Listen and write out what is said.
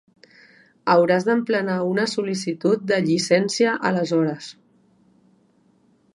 Hauràs d'emplenar una sol·licitud de llicència aleshores.